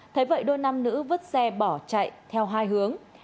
thấy vậy đôi năm nữ vứt xe bỏ chạy theo hai hướng